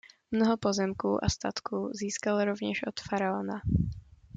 Mnoho pozemků a statků získal rovněž od faraona.